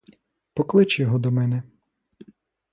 Поклич його до мене.